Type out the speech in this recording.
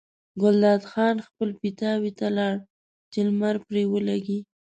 ګلداد خان خپل پیتاوي ته لاړ چې لمر پرې ولګي.